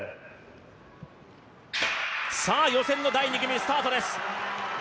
予選の第２組スタートです。